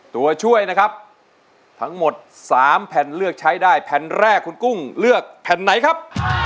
ตัวช่วยนะครับทั้งหมด๓แผ่นเลือกใช้ได้แผ่นแรกคุณกุ้งเลือกแผ่นไหนครับ